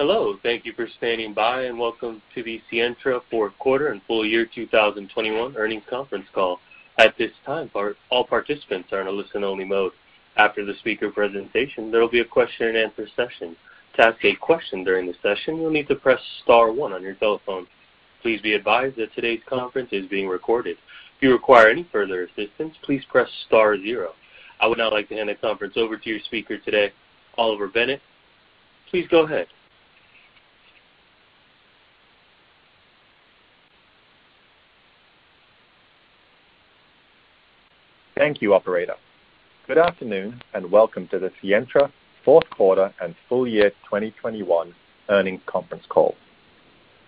Hello, thank you for standing by, and welcome to the Sientra fourth quarter and full-year 2021 earnings conference call. At this time, all participants are in a listen-only mode. After the speaker presentation, there will be a question-and-answer session. To ask a question during the session, you'll need to press star one on your telephone. Please be advised that today's conference is being recorded. If you require any further assistance, please press star zero. I would now like to hand the conference over to your speaker today, Oliver Bennett. Please go ahead. Thank you, operator. Good afternoon, and welcome to the Sientra fourth quarter and full-year 2021 earnings conference call.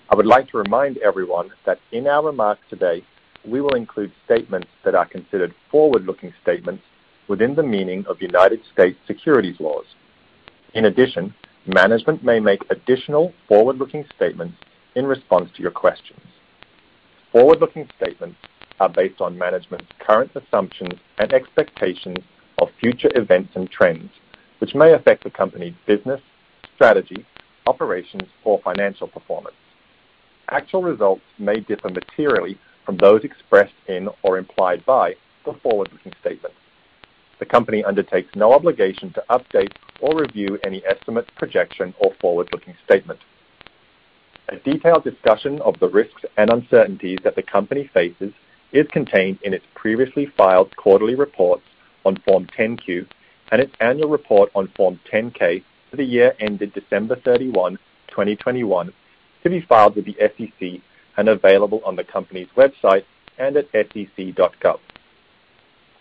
I would like to remind everyone that in our remarks today, we will include statements that are considered forward-looking statements within the meaning of United States securities laws. In addition, management may make additional forward-looking statements in response to your questions. Forward-looking statements are based on management's current assumptions and expectations of future events and trends, which may affect the company's business, strategy, operations, or financial performance. Actual results may differ materially from those expressed in or implied by the forward-looking statements. The company undertakes no obligation to update or review any estimates, projection, or forward-looking statement. A detailed discussion of the risks and uncertainties that the company faces is contained in its previously filed quarterly reports on Form 10-Q and its annual report on Form 10-K for the year ended December 31, 2021 to be filed with the SEC and available on the company's website and at sec.gov.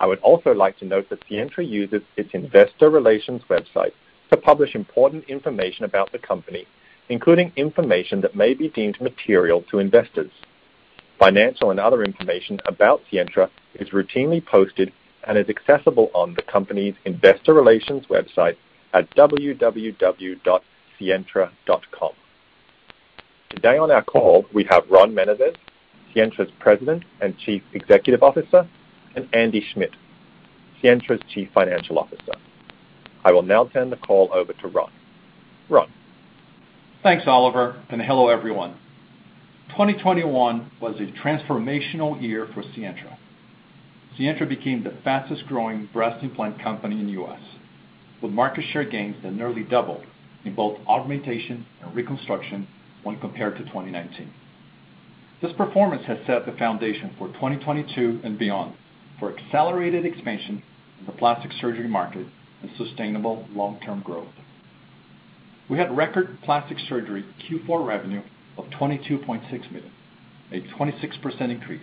I would also like to note that Sientra uses its investor relations website to publish important information about the company, including information that may be deemed material to investors. Financial and other information about Sientra is routinely posted and is accessible on the company's investor relations website at www.sientra.com. Today on our call, we have Ron Menezes, Sientra's President and Chief Executive Officer, and Andy Schmidt, Sientra's Chief Financial Officer. I will now turn the call over to Ron. Ron. Thanks, Oliver, and hello, everyone. 2021 was a transformational year for Sientra. Sientra became the fastest-growing breast implant company in the U.S., with market share gains that nearly doubled in both augmentation and reconstruction when compared to 2019. This performance has set the foundation for 2022 and beyond for accelerated expansion in the plastic surgery market and sustainable long-term growth. We had record plastic-surgery Q4 revenue of $22.6 million, a 26% increase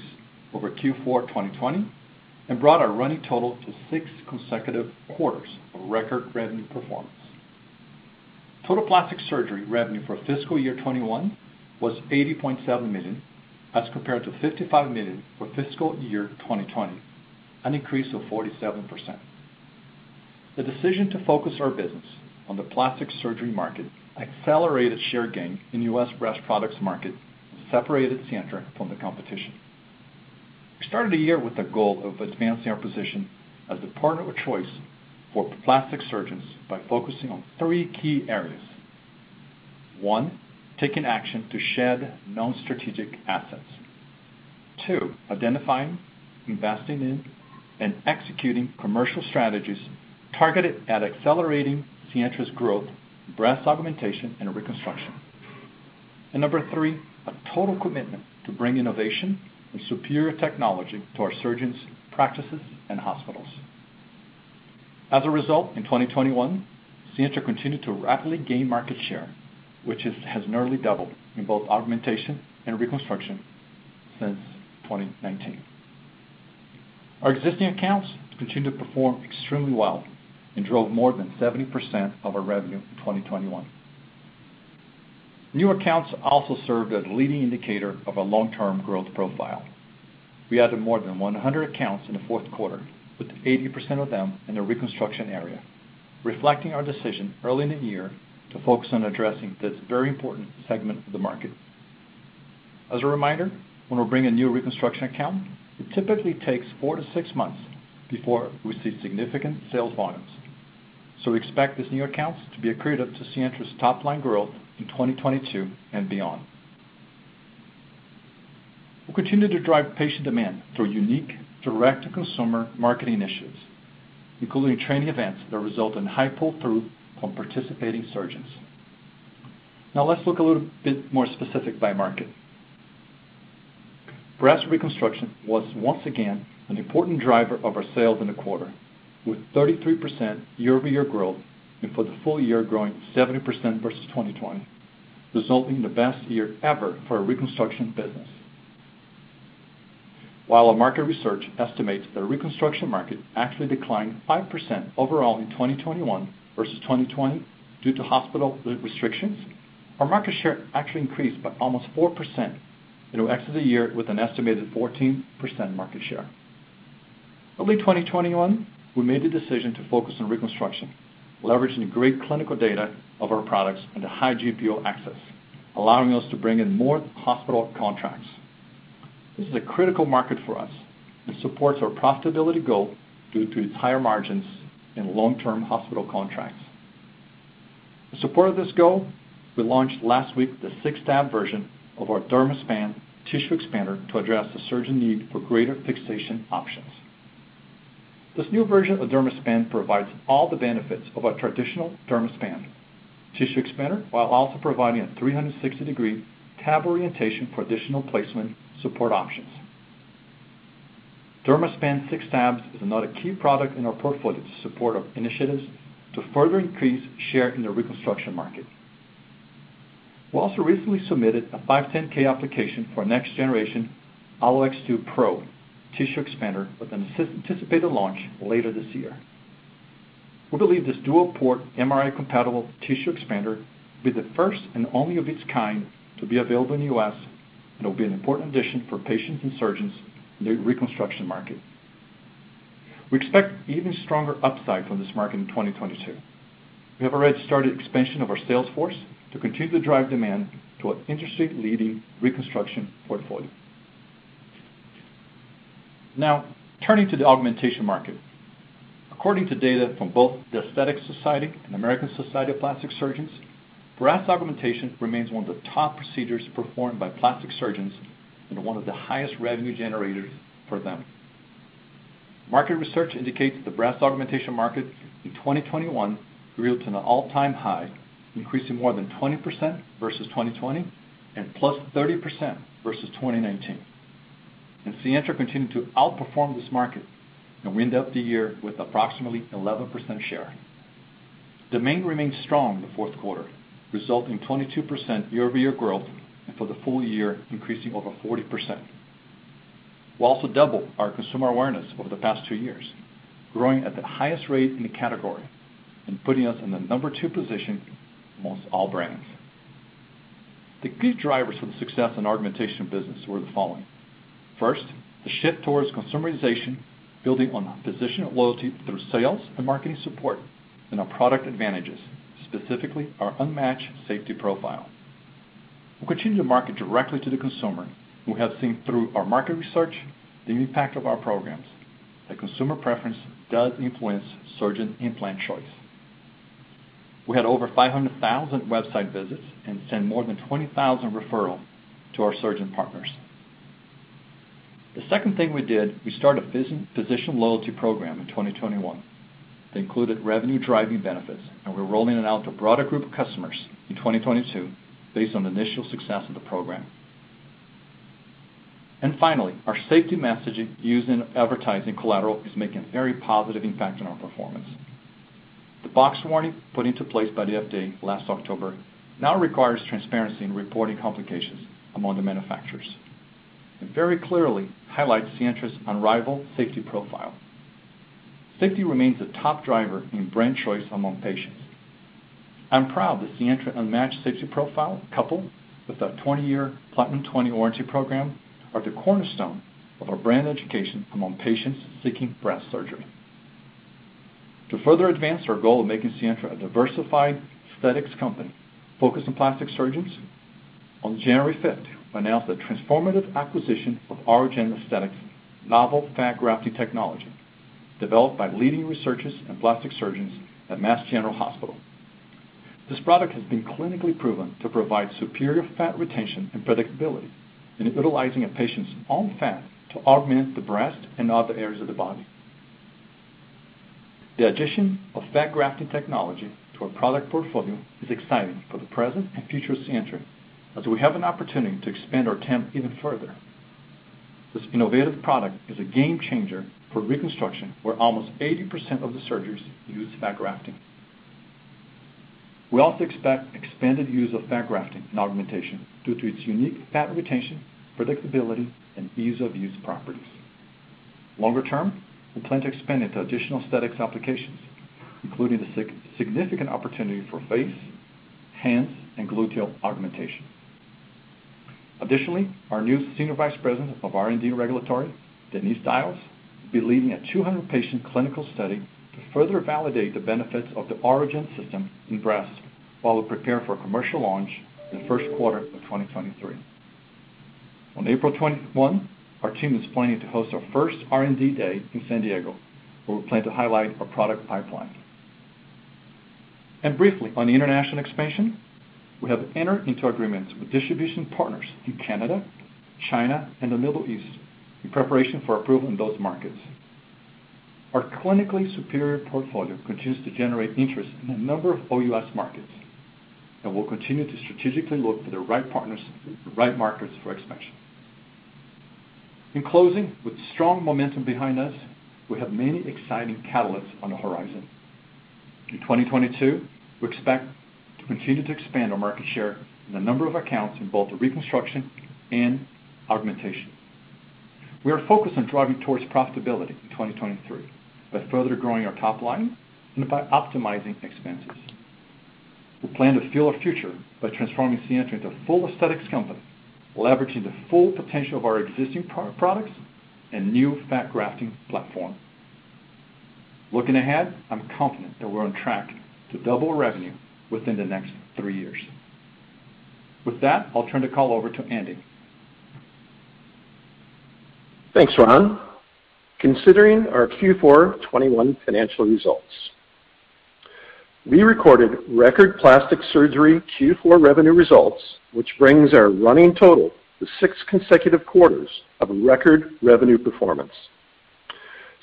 over Q4 2020, and brought our running total to six consecutive quarters of record revenue performance. Total plastic surgery revenue for fiscal year 2021 was $80.7 million as compared to $55 million for fiscal year 2020, an increase of 47%. The decision to focus our business on the plastic surgery market accelerated share gain in U.S. breast products market and separated Sientra from the competition. We started the year with the goal of advancing our position as the partner of choice for plastic surgeons by focusing on three key areas. One, taking action to shed known strategic assets. Two, identifying, investing in, and executing commercial strategies targeted at accelerating Sientra's growth, breast augmentation, and reconstruction. Number three, a total commitment to bring innovation and superior technology to our surgeons, practices, and hospitals. As a result, in 2021, Sientra continued to rapidly gain market share, which has nearly doubled in both augmentation and reconstruction since 2019. Our existing accounts continue to perform extremely well and drove more than 70% of our revenue in 2021. New accounts also served as a leading indicator of our long-term growth profile. We added more than 100 accounts in the fourth quarter, with 80% of them in the reconstruction area, reflecting our decision early in the year to focus on addressing this very important segment of the market. As a reminder, when we bring a new reconstruction account, it typically takes four to six months before we see significant sales volumes. We expect these new accounts to be accretive to Sientra's top-line growth in 2022 and beyond. We'll continue to drive patient demand through unique direct-to-consumer marketing initiatives, including training events that result in high pull-through from participating surgeons. Now let's look a little bit more specific by market. Breast reconstruction was once again an important driver of our sales in the quarter, with 33% year-over-year growth and for the full year growing 70% versus 2020, resulting in the best year ever for our reconstruction business. While our market research estimates the reconstruction market actually declined 5% overall in 2021 versus 2020 due to hospital restrictions, our market share actually increased by almost 4% and will exit the year with an estimated 14% market share. Early 2021, we made the decision to focus on reconstruction, leveraging the great clinical data of our products and the high GPO access, allowing us to bring in more hospital contracts. This is a critical market for us and supports our profitability goal due to its higher margins and long-term hospital contracts. To support this goal, we launched last week the six-tab version of our Dermaspan tissue expander to address the surgeon need for greater fixation options. This new version of Dermaspan provides all the benefits of a traditional Dermaspan tissue expander while also providing a 360-degree tab orientation for additional placement support options. Dermaspan six tabs is another key product in our portfolio to support our initiatives to further increase share in the reconstruction market. We also recently submitted a 510(k) application for next-generation AlloX2 Pro tissue expander with an anticipated launch later this year. We believe this dual-port MRI-compatible tissue expander will be the first and only of its kind to be available in the U.S., and it'll be an important addition for patients and surgeons in the reconstruction market. We expect even stronger upside from this market in 2022. We have already started expansion of our sales force to continue to drive demand to our industry-leading reconstruction portfolio. Now, turning to the augmentation market. According to data from both The Aesthetic Society and American Society of Plastic Surgeons, breast augmentation remains one of the top procedures performed by plastic surgeons and one of the highest revenue generators for them. Market research indicates the breast augmentation market in 2021 grew to an all-time high, increasing more than 20% versus 2020 and +30% versus 2019. Sientra continued to outperform this market, and we end up the year with approximately 11% share. Demand remained strong in the fourth quarter, resulting, 22% year-over-year growth and for the full year increasing over 40%. We also doubled our consumer awareness over the past two years, growing at the highest rate in the category and putting us in the number two position among all brands. The key drivers for the success in the augmentation business were the following. First, the shift towards consumerization, building on physician loyalty through sales and marketing support and our product advantages, specifically our unmatched safety profile. We continue to market directly to the consumer, and we have seen through our market research the impact of our programs that consumer preference does influence surgeon implant choice. We had over 500,000 website visits and sent more than 20,000 referrals to our surgeon partners. The second thing we did, we started a physician loyalty program in 2021 that included revenue-driving benefits, and we're rolling it out to a broader group of customers in 2022 based on the initial success of the program. Finally, our safety messaging used in advertising collateral is making a very positive impact on our performance. The box warning put into place by the FDA last October now requires transparency in reporting complications among the manufacturers and very clearly highlights Sientra's unrivaled safety profile. Safety remains a top driver in brand choice among patients. I'm proud that Sientra's unmatched safety profile, coupled with our 20-year Platinum20 warranty program, are the cornerstone of our brand education among patients seeking breast surgery. To further advance our goal of making Sientra a diversified aesthetics company focused on plastic surgeons, on January 5th, we announced the transformative acquisition of AuraGen Aesthetics' novel fat-grafting technology developed by leading researchers and plastic surgeons at Massachusetts General Hospital. This product has been clinically proven to provide superior fat retention and predictability in utilizing a patient's own fat to augment the breast and other areas of the body. The addition of fat grafting technology to our product portfolio is exciting for the present and future of Sientra as we have an opportunity to expand our TAM even further. This innovative product is a game changer for reconstruction, where almost 80% of the surgeries use fat grafting. We also expect expanded use of fat grafting in augmentation due to its unique fat retention, predictability, and ease-of-use properties. Longer term, we plan to expand into additional aesthetics applications, including the significant opportunity for face, hands, and gluteal augmentation. Additionally, our new Senior Vice President of R&D and Regulatory, Denise Dajles, will be leading a 200-patient clinical study to further validate the benefits of the AuraGen system in breast while we prepare for a commercial launch in the first quarter of 2023. On April 21, our team is planning to host our first R&D day in San Diego, where we plan to highlight our product pipeline. Briefly, on the international expansion, we have entered into agreements with distribution partners in Canada, China, and the Middle East in preparation for approval in those markets. Our clinically superior portfolio continues to generate interest in a number of OUS markets, and we'll continue to strategically look for the right partners in the right markets for expansion. In closing, with strong momentum behind us, we have many exciting catalysts on the horizon. In 2022, we expect to continue to expand our market share in a number of accounts in both the reconstruction and augmentation. We are focused on driving towards profitability in 2023 by further growing our top line and by optimizing expenses. We plan to fuel our future by transforming Sientra into a full aesthetics company, leveraging the full potential of our existing product portfolio and new fat-grafting platform. Looking ahead, I'm confident that we're on track to double revenue within the next three years. With that, I'll turn the call over to Andy. Thanks, Ron. Considering our Q4 2021 financial results, we recorded record plastic-surgery Q4 revenue results, which brings our running total to six consecutive quarters of record revenue performance.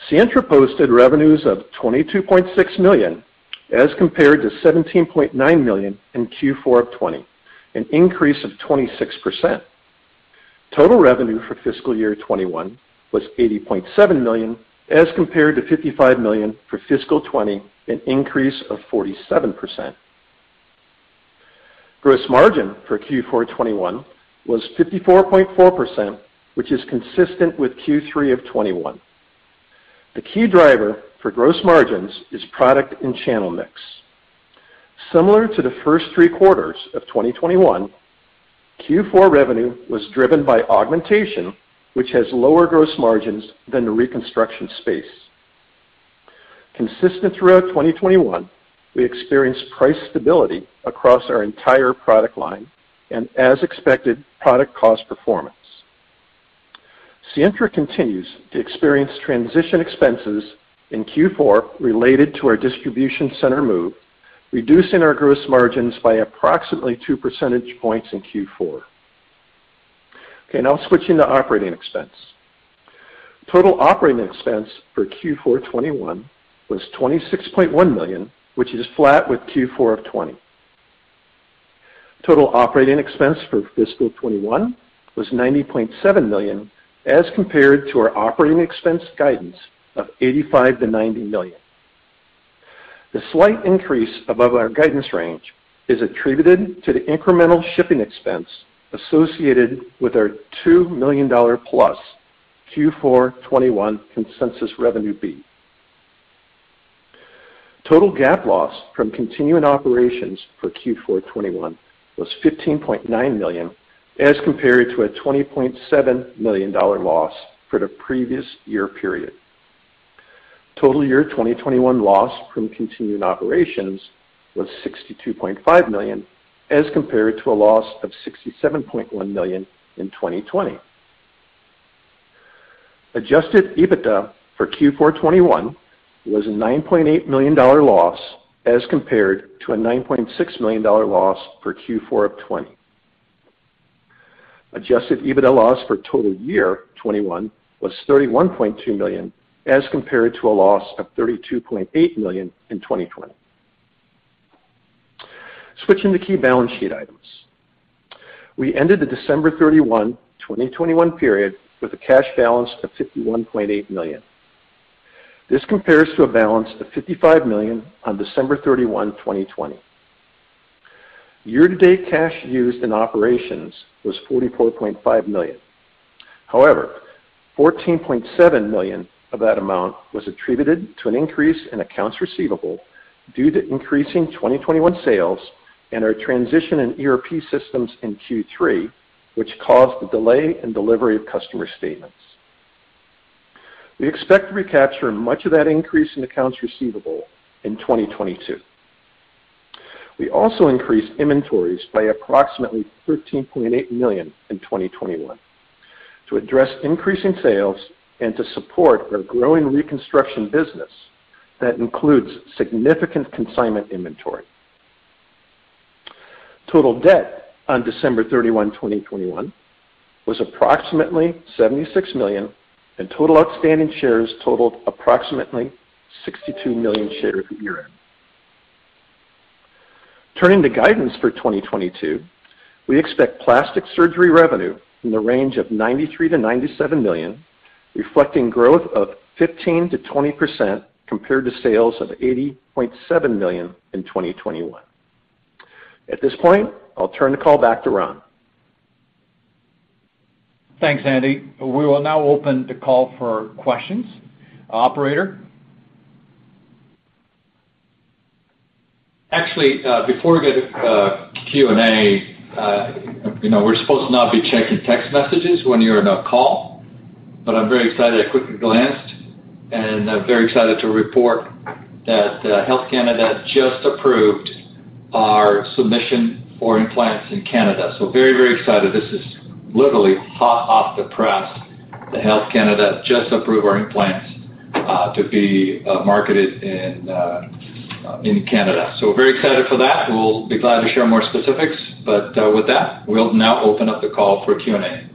Sientra posted revenues of $22.6 million as compared to $17.9 million in Q4 of 2020, an increase of 26%. Total revenue for fiscal year 2021 was $80.7 million as compared to $55 million for fiscal 2020, an increase of 47%. Gross margin for Q4 2021 was 54.4%, which is consistent with Q3 of 2021. The key driver for gross margins is product and channel mix. Similar to the first three quarters of 2021, Q4 revenue was driven by augmentation, which has lower gross margins than the reconstruction space. Consistent throughout 2021, we experienced price stability across our entire product line and, as expected, product cost performance. Sientra continues to experience transition expenses in Q4 2021 related to our distribution center move, reducing our gross margins by approximately 2 percentage points in Q4 2021. Okay, now switching to operating expense. Total operating expense for Q4 2021 was $26.1 million, which is flat with Q4 of 2020. Total operating expense for fiscal 2021 was $90.7 million as compared to our operating expense guidance of $85 million-$90 million. The slight increase above our guidance range is attributed to the incremental shipping expense associated with our $2 million+ Q4 2021 consensus revenue beat. Total GAAP loss from continuing operations for Q4 2021 was $15.9 million, as compared to a $20.7 million loss for the previous year period. Total year 2021 loss from continuing operations was $62.5 million, as compared to a loss of $67.1 million in 2020. Adjusted EBITDA for Q4 2021 was a $9.8 million loss as compared to a $9.6 million loss for Q4 of 2020. Adjusted EBITDA loss for total year 2021 was $31.2 million as compared to a loss of $32.8 million in 2020. Switching to key balance sheet items. We ended the December 31, 2021 period with a cash balance of $51.8 million. This compares to a balance of $55 million on December 31, 2020. Year-to-date cash used in operations was $44.5 million. However, $14.7 million of that amount was attributed to an increase in accounts receivable due to increasing 2021 sales and our transition in ERP systems in Q3, which caused a delay in delivery of customer statements. We expect to recapture much of that increase in accounts receivable in 2022. We also increased inventories by approximately $13.8 million in 2021 to address increasing sales and to support our growing reconstruction business that includes significant consignment inventory. Total debt on December 31, 2021 was approximately $76 million, and total outstanding shares totaled approximately 62 million shares at year-end. Turning to guidance for 2022, we expect plastic surgery revenue in the range of $93 million-$97 million, reflecting growth of 15%-20% compared to sales of $80.7 million in 2021. At this point, I'll turn the call back to Ron. Thanks, Andy. We will now open the call for questions. Operator? Actually, before we go to Q&A, you know, we're supposed to not be checking text messages when you're in a call, but I'm very excited. I quickly glanced, and I'm very excited to report that Health Canada just approved our submission for implants in Canada. So very, very excited. This is literally hot off the press that Health Canada just approved our implants to be marketed in Canada. So very excited for that. We'll be glad to share more specifics, but with that, we'll now open up the call for Q&A.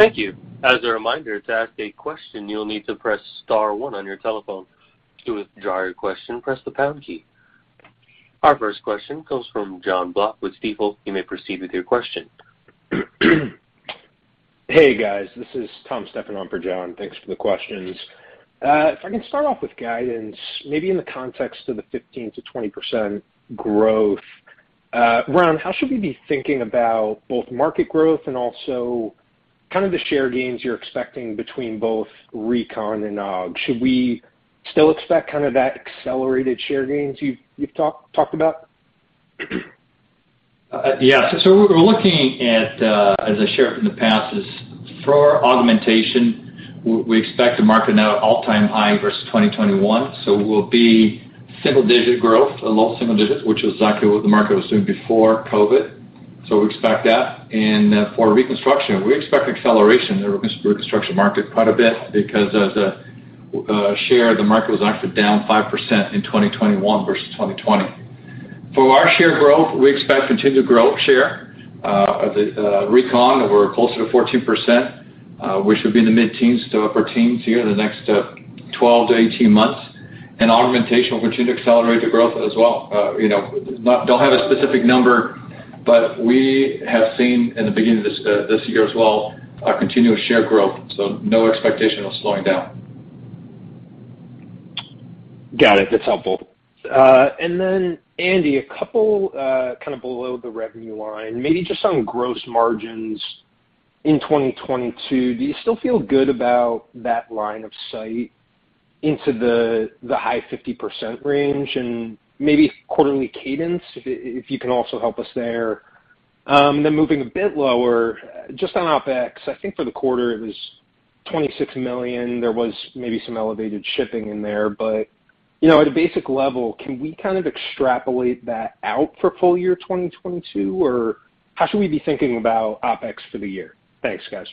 Thank you. As a reminder, to ask a question, you'll need to press star one on your telephone. To withdraw your question, press the pound key. Our first question comes from John Block with Stifel. You may proceed with your question. Hey, guys. This is Tom Stephan on for John. Thanks for the questions. If I can start off with guidance, maybe in the context of the 15%-20% growth. Ron, how should we be thinking about both market growth and also kind of the share gains you're expecting between both recon and aug? Should we still expect kind of that accelerated share gains you've talked about? We're looking at, as I shared in the past, is for augmentation, we expect the market now at all-time high versus 2021. We'll be single-digit growth, low-single digits, which is exactly what the market was doing before COVID. We expect that. For reconstruction, we expect acceleration in the reconstruction market quite a bit because as a share, the market was actually down 5% in 2021 versus 2020. For our share growth, we expect continued growth share of the recon, we're closer to 14%, we should be in the mid-teens to upper teens here in the next 12 to 18 months. Augmentation will continue to accelerate the growth as well. You know, don't have a specific number, but we have seen in the beginning of this year as well a continuous share growth, so no expectation of slowing down. Got it. That's helpful. Then Andy, a couple kind of below the revenue line, maybe just on gross margins in 2022, do you still feel good about that line of sight into the high 50% range and maybe quarterly cadence, if you can also help us there? Moving a bit lower, just on OpEx, I think for the quarter it was $26 million. There was maybe some elevated shipping in there. You know, at a basic level, can we kind of extrapolate that out for full year 2022? Or how should we be thinking about OpEx for the year? Thanks, guys.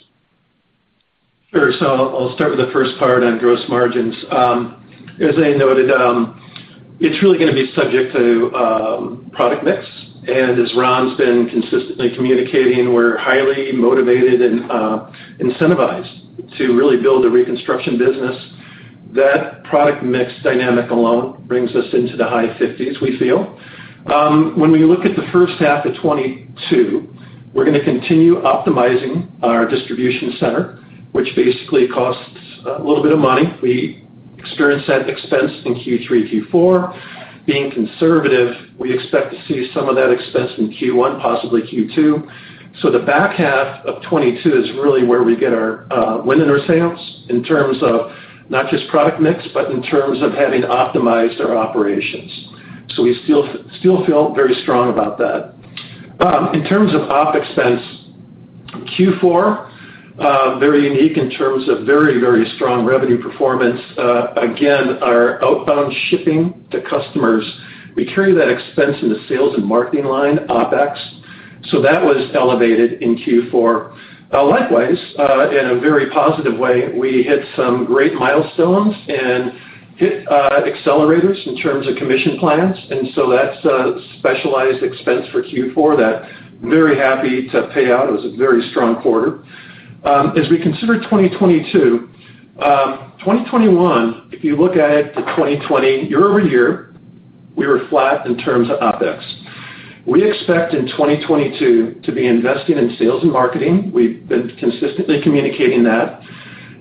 I'll start with the first part on gross margins. As I noted, it's really gonna be subject to product mix. Ron's been consistently communicating, we're highly motivated and incentivized to really build a reconstruction business. That product mix dynamic alone brings us into the high 50s%, we feel. When we look at the first half of 2022, we're gonna continue optimizing our distribution center, which basically costs a little bit of money. We experienced that expense in Q3, Q4. Being conservative, we expect to see some of that expense in Q1, possibly Q2. The back half of 2022 is really where we get our wind in our sails in terms of not just product mix, but in terms of having optimized our operations. We still feel very strong about that. In terms of OpEx, Q4, very unique in terms of very, very strong revenue performance. Again, our outbound shipping to customers, we carry that expense in the sales and marketing line, OpEx, so that was elevated in Q4. Likewise, in a very positive way, we hit some great milestones and hit accelerators in terms of commission plans, and so that's a specialized expense for Q4 that very happy to pay out. It was a very strong quarter. As we consider 2022, 2021, if you look at it to 2020 year-over-year, we were flat in terms of OpEx. We expect in 2022 to be investing in sales and marketing. We've been consistently communicating that,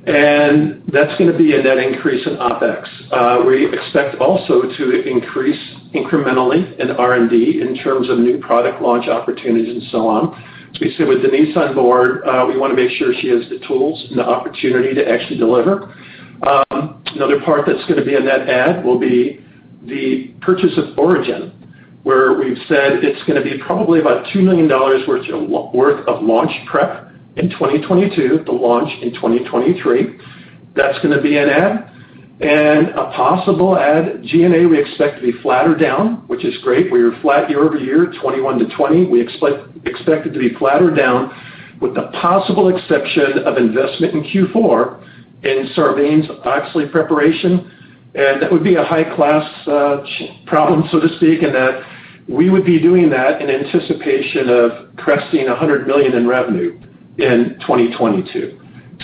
and that's gonna be a net increase in OpEx. We expect also to increase incrementally in R&D in terms of new product launch opportunities and so on. As we said, with Denise on board, we wanna make sure she has the tools and the opportunity to actually deliver. Another part that's gonna be a net add will be the purchase of AuraGen, where we've said it's gonna be probably about $2 million worth of launch prep in 2022, the launch in 2023. That's gonna be an add. A possible add, G&A, we expect to be flat or down, which is great. We were flat year-over-year, 2021 to 2020. We expect it to be flat or down with the possible exception of investment in Q4 in Sarbanes-Oxley preparation. That would be a high-class problem, so to speak, in that we would be doing that in anticipation of cresting $100 million in revenue in 2022.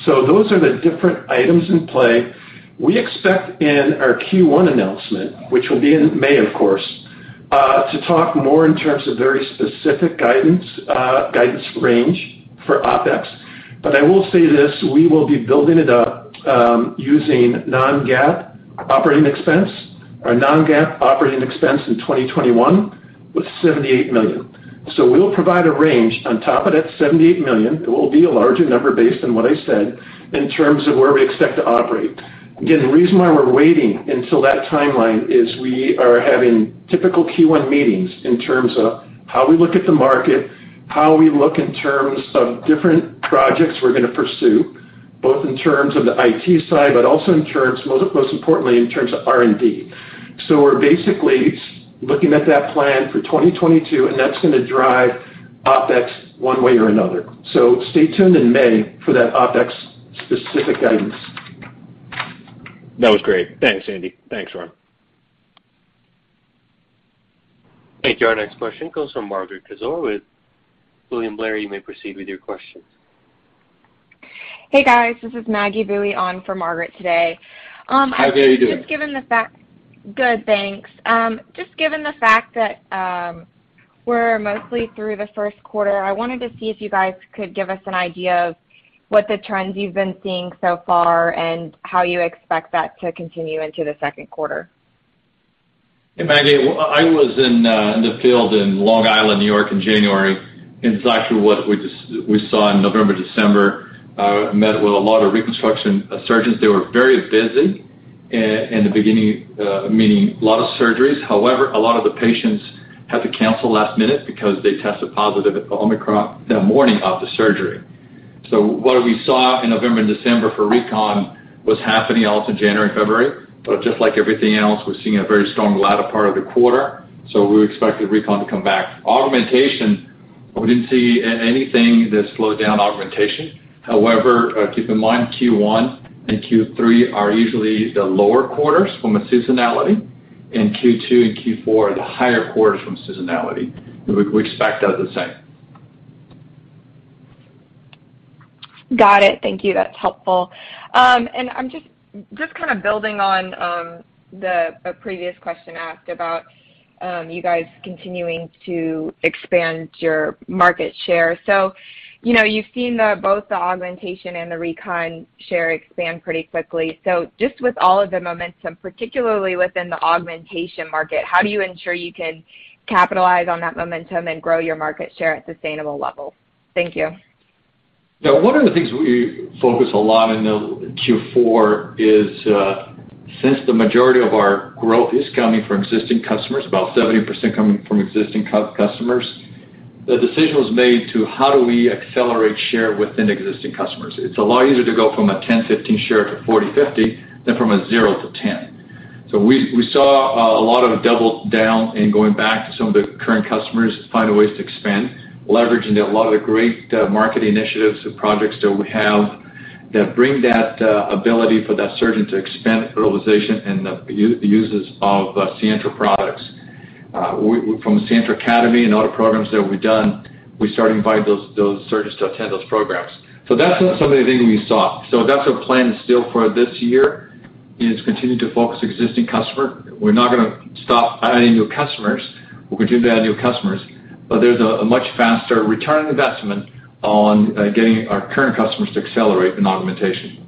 Those are the different items in play. We expect in our Q1 announcement, which will be in May, of course, to talk more in terms of very specific guidance range for OpEx. I will say this, we will be building it up using non-GAAP operating expense. Our non-GAAP operating expense in 2021 was $78 million. We'll provide a range on top of that $78 million. It will be a larger number based on what I said in terms of where we expect to operate. Again, the reason why we're waiting until that timeline is we are having typical Q1 meetings in terms of how we look at the market, how we look in terms of different projects we're gonna pursue, both in terms of the IT side, but also in terms, most importantly, in terms of R&D. We're basically looking at that plan for 2022, and that's gonna drive OpEx one way or another. Stay tuned in May for that OpEx specific guidance. That was great. Thanks, Andy. Thanks, Ron. Thank you. Our next question comes from Margaret Kaczor with William Blair. You may proceed with your questions. Hey, guys. This is Maggie Boeye on for Margaret today. Hi. How are you doing? Just given the fact that we're mostly through the first quarter, I wanted to see if you guys could give us an idea of what the trends you've been seeing so far and how you expect that to continue into the second quarter. Hey, Maggie. I was in the field in Long Island, New York in January, and it's actually what we saw in November, December. Met with a lot of reconstruction surgeons. They were very busy in the beginning, meaning a lot of surgeries. However, a lot of the patients had to cancel last minute because they tested positive for Omicron that morning of the surgery. So what we saw in November and December for recon was happening all through January, February, but just like everything else, we're seeing a very strong latter part of the quarter, so we expect the recon to come back. Augmentation, we didn't see anything that slowed down augmentation. However, keep in mind, Q1 and Q3 are usually the lower quarters from a seasonality, and Q2 and Q4 are the higher quarters from seasonality. We expect that the same. Got it. Thank you. That's helpful. I'm just kind of building on the previous question asked about you guys continuing to expand your market share. You know, you've seen both the augmentation and the recon share expand pretty quickly. Just with all of the momentum, particularly within the augmentation market, how do you ensure you can capitalize on that momentum and grow your market share at sustainable levels? Thank you. Yeah. One of the things we focus a lot in the Q4 is, since the majority of our growth is coming from existing customers, about 70% coming from existing customers, the decision was made to how do we accelerate share within existing customers. It's a lot easier to go from a 10-15 share to 40-50 than from a 0-10. We saw a lot of double down in going back to some of the current customers to find ways to expand, leveraging a lot of the great marketing initiatives and projects that we have that bring that ability for that surgeon to expand utilization and the uses of Sientra products. From Sientra Academy and other programs that we've done, we start inviting those surgeons to attend those programs. That's some of the things we saw. That's our plan still for this year, is continue to focus existing customer. We're not gonna stop adding new customers. We'll continue to add new customers, but there's a much faster return on investment on getting our current customers to accelerate in augmentation.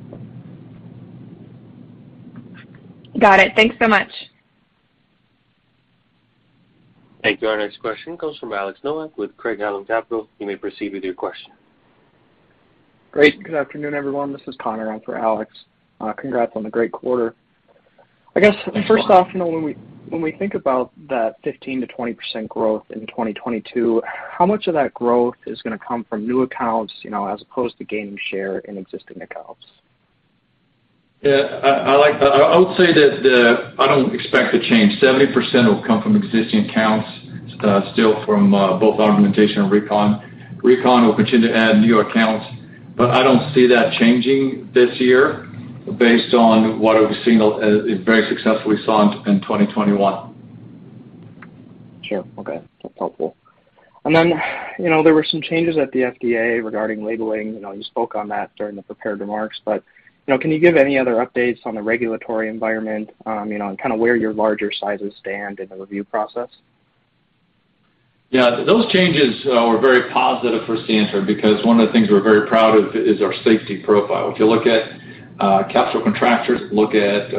Got it. Thanks, so much. Thank you. Our next question comes from Alex Nowak with Craig-Hallum Capital. You may proceed with your question. Great. Good afternoon, everyone. This is Connor in for Alex. Congrats on the great quarter. Thanks, Connor. I guess first off, you know, when we think about that 15%-20% growth in 2022, how much of that growth is gonna come from new accounts, you know, as opposed to gaining share in existing accounts? I would say that I don't expect a change. 70% will come from existing accounts, still from both augmentation and recon. Recon will continue to add new accounts, but I don't see that changing this year based on what we very successfully saw in 2021. Sure. Okay. That's helpful. Then, you know, there were some changes at the FDA regarding labeling. You know, you spoke on that during the prepared remarks, but, you know, can you give any other updates on the regulatory environment, you know, and kinda where your larger sizes stand in the review process? Yeah. Those changes were very positive for Sientra because one of the things we're very proud of is our safety profile. If you look at capsular contracture, look at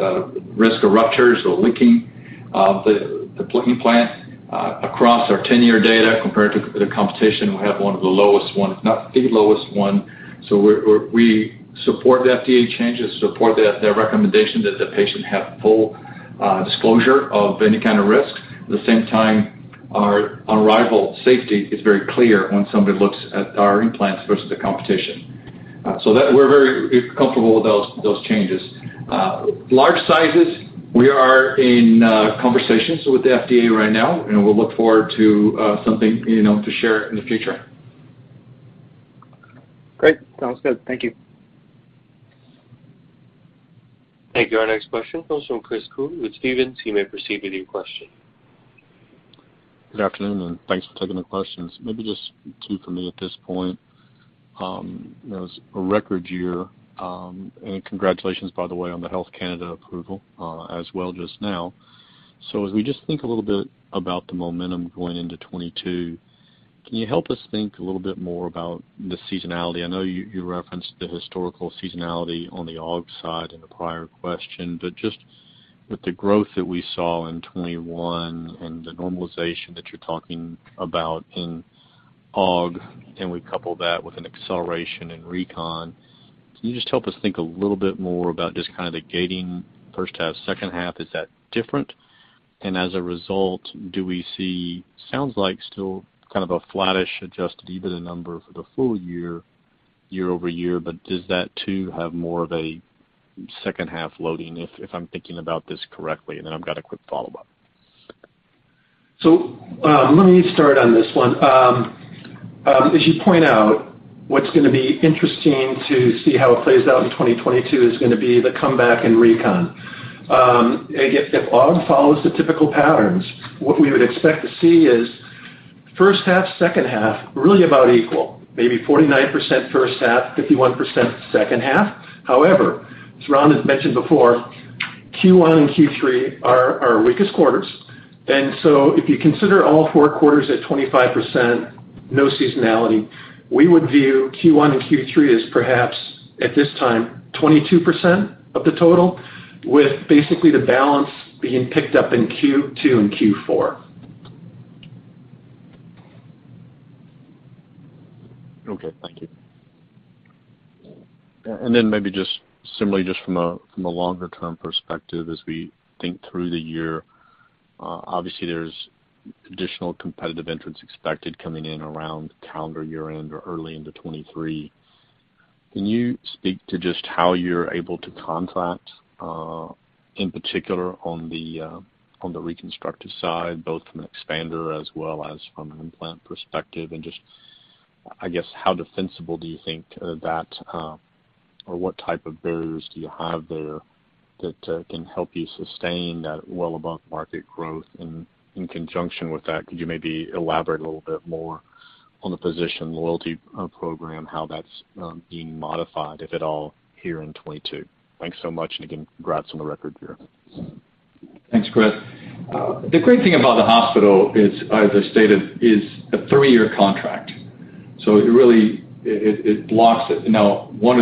risk of ruptures or leaking of the implant across our ten-year data compared to the competition, we have one of the lowest, if not the lowest. We support the FDA changes, support the recommendation that the patient have full disclosure of any kind of risk. At the same time, our unrivaled safety is very clear when somebody looks at our implants versus the competition. We're very comfortable with those changes. Large sizes, we are in conversations with the FDA right now, and we'll look forward to something, you know, to share in the future. Great. Sounds good. Thank you. Thank you. Our next question comes from Chris Cooley with Stephens. You may proceed with your question. Good afternoon, and thanks for taking the questions. Maybe just two for me at this point. You know, it's a record year, and congratulations, by the way, on the Health Canada approval, as well just now. As we just think a little bit about the momentum going into 2022, can you help us think a little bit more about the seasonality? I know you referenced the historical seasonality on the AUG side in the prior question, but just with the growth that we saw in 2021 and the normalization that you're talking about in AUG, and we couple that with an acceleration in recon, can you just help us think a little bit more about just kind of the gating first half, second half, is that different? As a result, do we see? Sounds like still kind of a flattish adjusted EBITDA number for the full year-over-year, but does that too have more of a second-half loading, if I'm thinking about this correctly? I've got a quick follow-up. Let me start on this one. As you point out, what's gonna be interesting to see how it plays out in 2022 is gonna be the comeback in recon. If aug follows the typical patterns, what we would expect to see is first half, second half really about equal, maybe 49% first half, 51% second half. However, as Ron has mentioned before, Q1 and Q3 are our weakest quarters. If you consider all four quarters at 25%, no seasonality, we would view Q1 and Q3 as perhaps, at this time, 22% of the total, with basically the balance being picked up in Q2 and Q4. Okay. Thank you. Then maybe just similarly, just from a longer-term perspective as we think through the year, obviously, there's additional competitive entrants expected coming in around calendar year-end or early into 2023. Can you speak to just how you're able to contract, in particular on the reconstructive side, both from an expander as well as from an implant perspective? Just, I guess, how defensible do you think that, or what type of barriers do you have there that can help you sustain that well above market growth? In conjunction with that, could you maybe elaborate a little bit more on the physician loyalty program, how that's being modified, if at all, here in 2022? Thanks so much, and again, congrats on the record year. Thanks, Chris. The great thing about the hospital is, as I stated, a three-year contract, so it really blocks it. One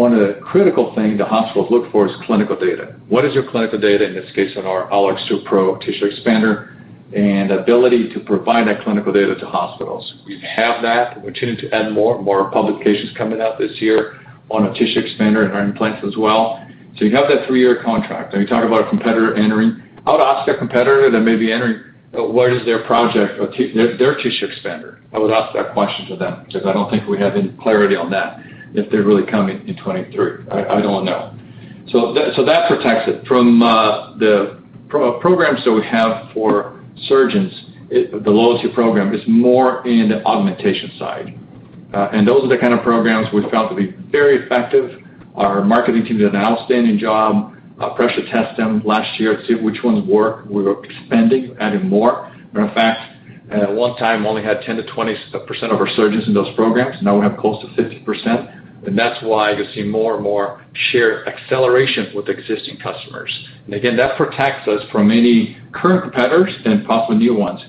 other critical thing the hospitals look for is clinical data. What is your clinical data, in this case, on our AlloX2 Pro tissue expander, and ability to provide that clinical data to hospitals. We have that. We're continuing to add more and more publications coming out this year on a tissue expander and our implants as well. You have that three-year contract, and you talk about a competitor entering. I would ask that competitor that may be entering, what is their tissue expander? I would ask that question to them because I don't think we have any clarity on that, if they're really coming in 2023. I don't know. That protects it from programs that we have for surgeons. The loyalty program is more in the augmentation side. Those are the kind of programs we found to be very effective. Our marketing team did an outstanding job of pressure-testing them last year to see which ones work. We're expanding, adding more. Matter of fact, at one time we only had 10%-20% of our surgeons in those programs. Now we have close to 50%, and that's why you'll see more and more share acceleration with existing customers. Again, that protects us from any current competitors and possibly new ones.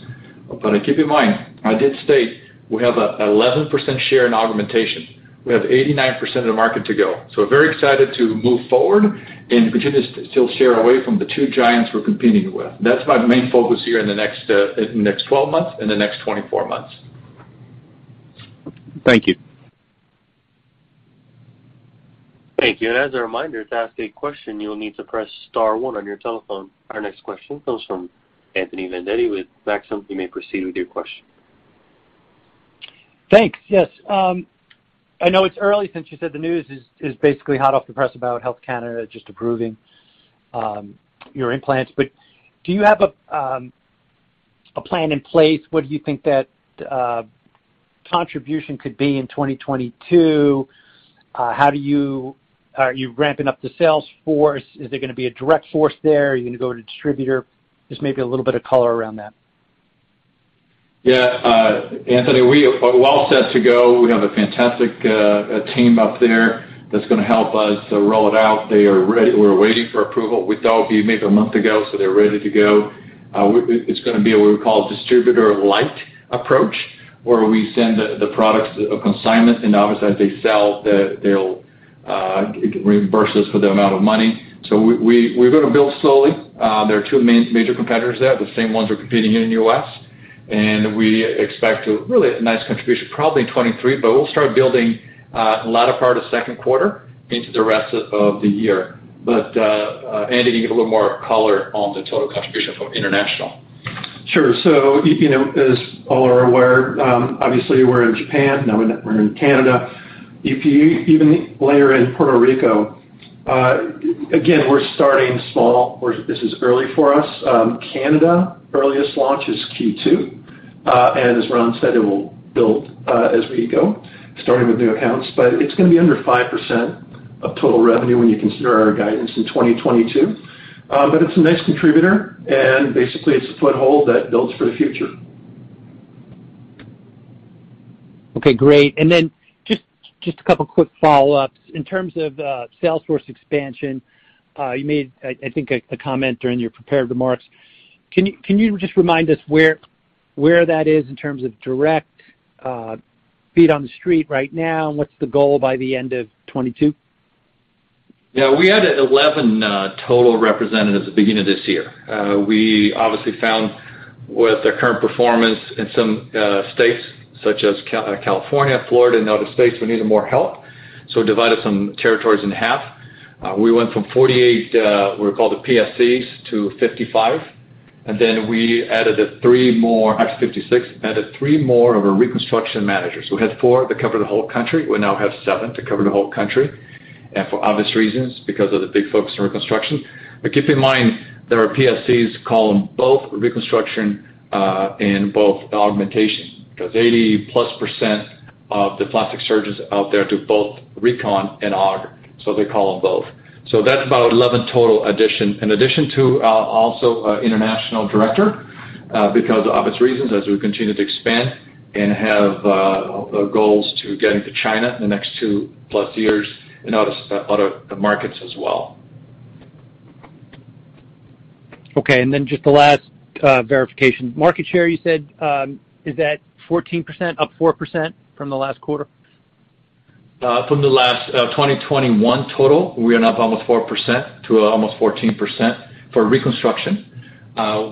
Keep in mind, I did state we have 11% share in augmentation. We have 89% of the market to go. We're very excited to move forward and continue to steal share away from the two giants we're competing with. That's my main focus here in the next 12 months and the next 24 months. Thank you. Thank you. As a reminder, to ask a question, you will need to press star one on your telephone. Our next question comes from Anthony Vendetti with Maxim. You may proceed with your question. Thanks. Yes. I know it's early since you said the news is basically hot off the press about Health Canada just approving your implants. Do you have a plan in place? What do you think that contribution could be in 2022? Are you ramping up the sales force? Is there gonna be a direct force there? Are you gonna go to distributor? Just maybe a little bit of color around that. Yeah. Anthony, we are well set to go. We have a fantastic team up there that's gonna help us roll it out. They are ready. We're waiting for approval. We thought it'd be maybe a month ago, so they're ready to go. It's gonna be what we call distributor-light approach, where we send the products on consignment. Obviously, as they sell, they'll reimburse us for the amount of money. We're gonna build slowly. There are two major competitors there, the same ones we're competing in the U.S. We expect to really have a nice contribution probably in 2023, but we'll start building latter part of second quarter into the rest of the year. Andy, you can give a little more color on the total contribution from international. You know, as all are aware, obviously we're in Japan, now we're in Canada. If you even layer in Puerto Rico, again, we're starting small. This is early for us. Canada earliest launch is Q2. As Ron said, it will build, as we go, starting with new accounts. It's gonna be under 5% of total revenue when you consider our guidance in 2022. It's a nice contributor, and basically it's a foothold that builds for the future. Okay, great. Just a couple quick follow-ups. In terms of sales force expansion, you made, I think, a comment during your prepared remarks. Can you just remind us where that is in terms of direct feet on the street right now, and what's the goal by the end of 2022? Yeah. We had 11 total representatives at the beginning of this year. We obviously found with the current performance in some states such as California, Florida, and other states, we needed more help. We divided some territories in half. We went from 48, what are called the PSCs to 55. We added three more. Actually, 56. We added three more of our reconstruction managers. We had four that cover the whole country. We now have seven to cover the whole country, for obvious reasons, because of the big focus on reconstruction. Keep in mind that our PSCs call on both reconstruction and both augmentation, because 80%+ of the plastic surgeons out there do both recon and aug, so they call on both. That's about 11 total additions, in addition to international director, because of obvious reasons as we continue to expand and have goals to getting to China in the next two-plus years and other markets as well. Okay. Just the last verification. Market share you said is at 14%, up 4% from the last quarter? From the last 2021 total, we are now up almost 4% to almost 14% for reconstruction.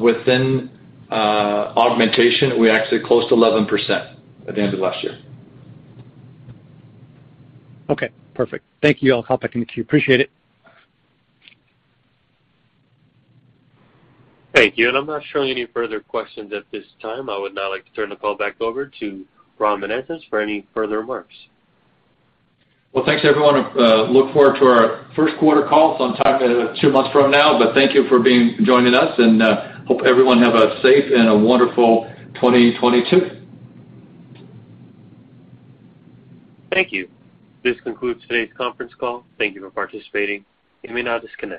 Within augmentation, we're actually close to 11% at the end of last year. Okay. Perfect. Thank you. I'll hop back into queue. Appreciate it. Thank you. I'm not showing any further questions at this time. I would now like to turn the call back over to Ron Menezes for any further remarks. Well, thanks everyone. I look forward to our first-quarter call sometime, two months from now. Thank you for joining us, and hope everyone have a safe and a wonderful 2022. Thank you. This concludes today's conference call. Thank you for participating. You may now disconnect.